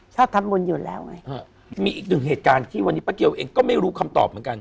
ชอบทำบุญอยู่แล้วไงมีอีกหนึ่งเหตุการณ์ที่วันนี้ป้าเกียวเองก็ไม่รู้คำตอบเหมือนกัน